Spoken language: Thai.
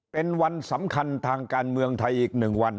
เป็นวันสำคัญทางการเมืองไทยอีก๑วัน